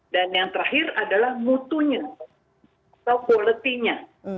dan yang terakhir adalah mutunya atau quality nya